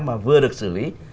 mà vừa được xử lý